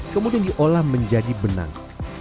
kemudian diolah menjadi benang